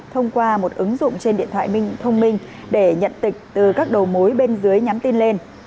thông qua một ứng dụng trên điện thoại thông minh để nhận tịch từ các đầu mối bên dưới nhắn tin lên